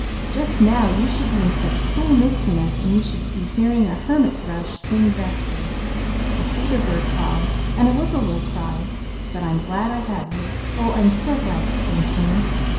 Just now you should be in such cool mistiness, while you should be hearing a hermit thrush sing vespers, a cedar bird call, and a whip poor will cry. But I'm glad I have you! Oh I'm so glad you came to me!